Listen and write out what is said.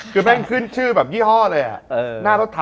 คือแป้งขึ้นชื่อแบบยี่ห้อเลย